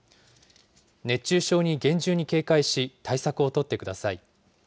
熱中症に厳重に警戒し、対策を取ってください。